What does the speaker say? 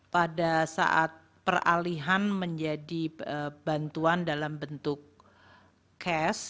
pada saat peralihan menjadi bantuan dalam bentuk cash